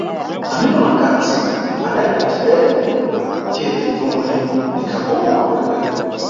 Amiro na Gatsi adadya therere la kwecete lomwe likhakoma kwenekwene.